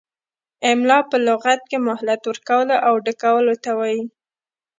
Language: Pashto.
املاء په لغت کې مهلت ورکولو او ډکولو ته وايي.